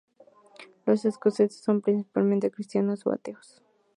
Los escoceses son principalmente cristianos o ateos.